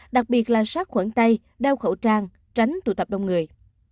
đặc biệt là sát khuẩn tay đeo khẩu trang tránh tụ tập đông người